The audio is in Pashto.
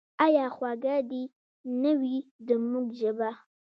آیا خوږه دې نه وي زموږ ژبه؟